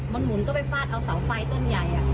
มันหมุนก็ไปฟาดเอาเสาไฟต้นใหญ่